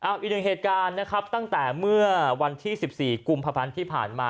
เอาอีกหนึ่งเหตุการณ์นะครับตั้งแต่เมื่อวันที่๑๔กุมภาพันธ์ที่ผ่านมา